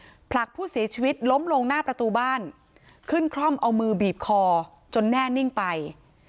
ผลักผู้เสียชีวิตล้มลงหน้าประตูบ้านขึ้นคร่อมเอามือบีบคอจนแน่นิ่งไป